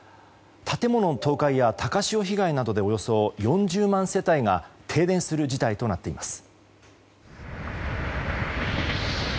建物倒壊や高潮被害などでおよそ４０万世帯が停電する事態となっています。